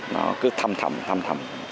nó cứ thầm thầm thầm thầm